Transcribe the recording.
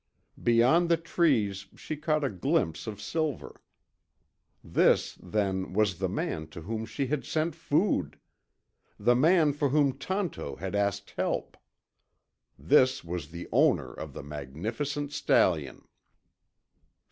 Beyond the trees she caught a glimpse of Silver. This, then, was the man to whom she had sent food. The man for whom Tonto had asked help. This was the owner of the magnificent stallion.